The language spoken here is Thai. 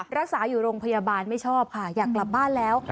รักษาอยู่โรงพยาบาลไม่ชอบค่ะอยากกลับบ้านแล้ว